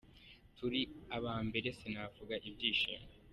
turi aba mbere, sinavuga ibyishimo.